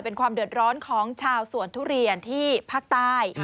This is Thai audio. เป็นความเดือดร้อนของชาวสวนทุเรียนที่ภาคใต้